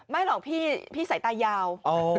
ไม่หรอกพี่สายตายาว